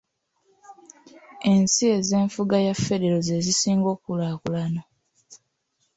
Ensi ez’enfuga ya federo ze zisinga okukulaakulana.